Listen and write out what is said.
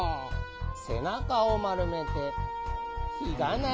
せなかをまるめてひがな